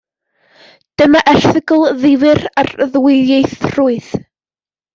Dyma erthygl ddifyr ar ddwyieithrwydd.